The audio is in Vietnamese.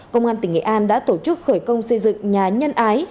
công an tỉnh nghệ an đã tổ chức khởi công xây dựng nhà nhân ái